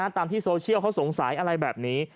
ตามที่โซเชียลเขาสงสัยอะไรแบบนี้